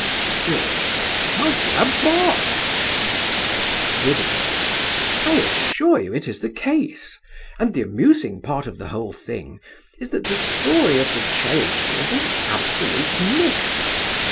CYRIL. My dear boy! VIVIAN. I assure you it is the case, and the amusing part of the whole thing is that the story of the cherry tree is an absolute myth.